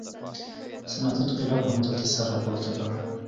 صنعتي انقلاب همدلته سر راپورته کړ.